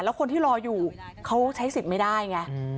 แล้วคนที่รออยู่เขาใช้สิทธิ์ไม่ได้ไง